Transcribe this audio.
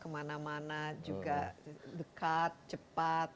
kemana mana juga dekat cepat